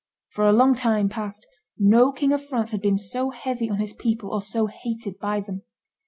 For a long time past no King of France had been so heavy on his people or so hated by them."